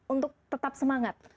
untuk tetap semangat